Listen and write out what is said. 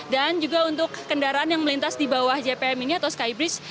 dan juga untuk kendaraan yang melintas di bawah jpm ini atau skybridge